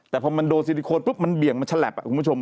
แต่พอมันโดนซิลิโคนปุ๊บมันเบี่ยงมันฉลับคุณผู้ชม